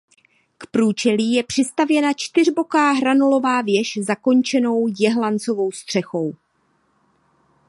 K průčelí je přistavěna čtyřboká hranolová věž zakončenou jehlancovou střechou.